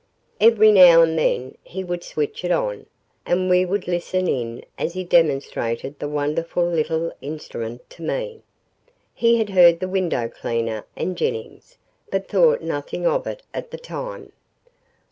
Every now and then he would switch it on, and we would listen in as he demonstrated the wonderful little instrument to me. He had heard the window cleaner and Jennings, but thought nothing of it at the time.